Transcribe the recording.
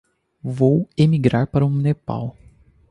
Vou emigrar para o Nepal.